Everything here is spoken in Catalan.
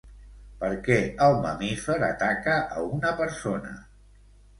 Per què el mamífer ataca a una persona?